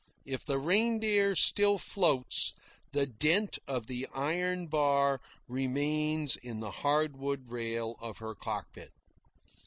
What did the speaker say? (If the Reindeer still floats, the dent of the iron bar remains in the hard wood rail of her cockpit.)